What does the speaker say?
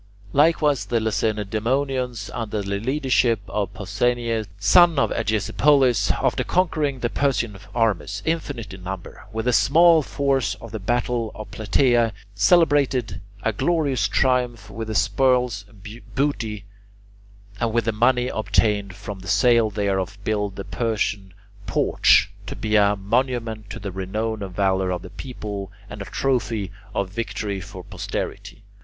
Likewise the Lacedaemonians under the leadership of Pausanias, son of Agesipolis, after conquering the Persian armies, infinite in number, with a small force at the battle of Plataea, celebrated a glorious triumph with the spoils and booty, and with the money obtained from the sale thereof built the Persian Porch, to be a monument to the renown and valour of the people and a trophy of victory for posterity.